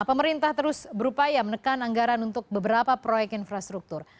pemerintah terus berupaya menekan anggaran untuk beberapa proyek infrastruktur